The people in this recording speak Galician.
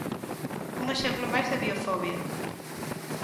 Un exemplo máis de biofobia.